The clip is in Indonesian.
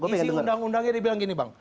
isi undang undangnya dia bilang gini bang